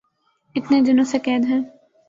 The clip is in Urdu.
اتنے دنوں سے قید ہیں